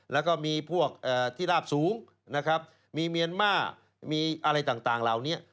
แล้วก็มีพวกที่ราบสูงนะครับมีเมียนมาร์มีอะไรต่างเหล่านี้